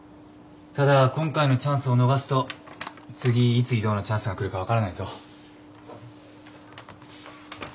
ただ今回のチャンスを逃すと次いつ異動のチャンスが来るか分からないぞ。